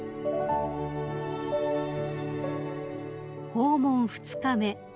［訪問２日目］